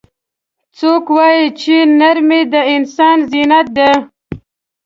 څوک وایي چې نرمۍ د انسان زینت ده